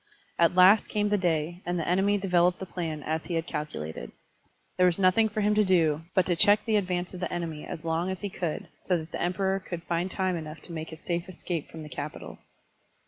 At last came the day, and the enemy developed the plan as he had calculated. There was nothing for him to do but to check the advance of the enemy as long as he cotdd, so that the Emperor could find time enough to make his safe escape from the capital.